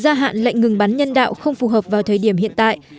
để ra hạn lệnh ngừng bắn nhân đạo không phù hợp vào thời điểm hiện tại